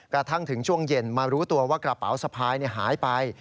กระทั่งถึงช่วงเย็นมารู้ตัวว่ากระเป๋าสะพายหายไป